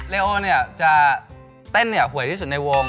เรโอจะเต้นหวยที่สุดในวง